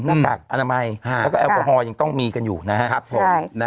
หน้ากากอนามัยแล้วก็แอลกอฮอลยังต้องมีกันอยู่นะครับผม